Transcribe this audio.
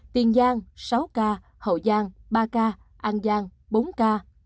tiền giang sáu ca hậu giang ba ca an giang bốn ca